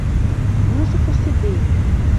يوسف الصديق